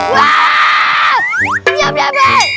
waaah siap deh bay